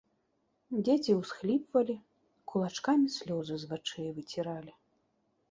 Дзеці усхліпвалі, кулачкамі слёзы з вачэй выціралі.